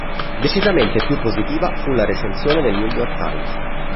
Decisamente più positiva fu la recensione del "New York Times".